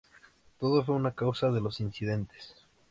Todo fue a causa de los incidentes.